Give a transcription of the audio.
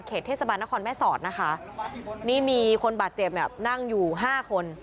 เทศบาลนครแม่สอดนะคะนี่มีคนบาดเจ็บเนี่ยนั่งอยู่ห้าคน